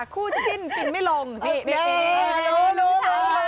คู่จิ้นติดไม่ลงนี่รู้รู้